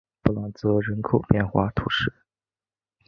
布朗泽人口变化图示